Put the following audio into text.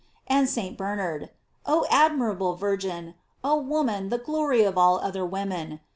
And St. Bernard : "Oh admirable Virgin ! Oh woman, the glory of all other women